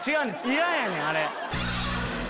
嫌やねんあれ。